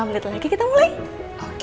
lima menit lagi kita mulai oke